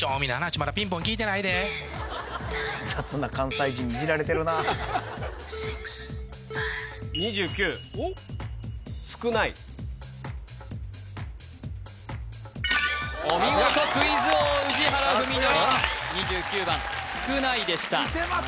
まだピンポン聞いてないで・雑な関西人にイジられてるなお見事クイズ王宇治原史規２９番すくないでしたみせます